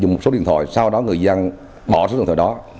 dùng một số điện thoại sau đó người dân bỏ số điện thoại đó